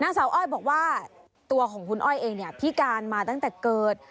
สาวอ้อยบอกว่าตัวของคุณอ้อยเองเนี่ยพิการมาตั้งแต่เกิด